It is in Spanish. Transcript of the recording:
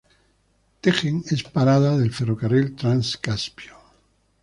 Tejen es parada del Ferrocarril Trans-Caspio.